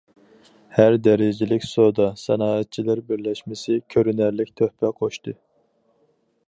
ھەر دەرىجىلىك سودا- سانائەتچىلەر بىرلەشمىسى كۆرۈنەرلىك تۆھپە قوشتى.